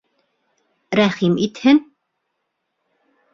Рәхим итһен!